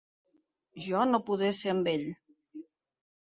Jo no podré ser amb ell.